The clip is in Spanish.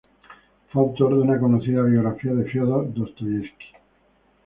Fue autor de una conocida biografía de Fiódor Dostoyevski.